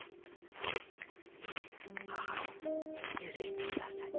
「母を許してください」。